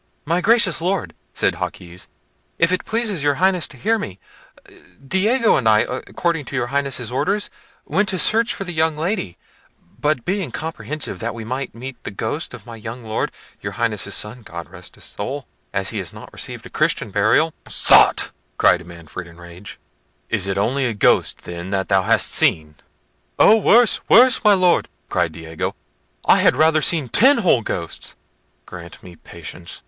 "My gracious Lord," said Jaquez, "if it please your Highness to hear me; Diego and I, according to your Highness's orders, went to search for the young Lady; but being comprehensive that we might meet the ghost of my young Lord, your Highness's son, God rest his soul, as he has not received Christian burial—" "Sot!" cried Manfred in a rage; "is it only a ghost, then, that thou hast seen?" "Oh! worse! worse! my Lord," cried Diego: "I had rather have seen ten whole ghosts." "Grant me patience!"